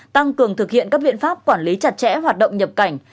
tăng cường thực hiện các biện pháp quản lý chặt chẽ hoạt động nhập cảnh